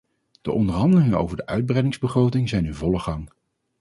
De onderhandelingen over de uitbreidingsbegroting zijn in volle gang.